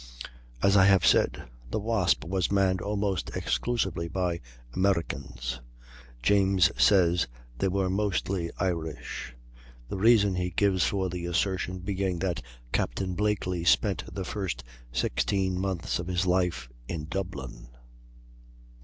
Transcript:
As I have said, the Wasp was manned almost exclusively by Americans. James says they were mostly Irish; the reason he gives for the assertion being that Capt. Blakely spent the first 16 months of his life in Dublin.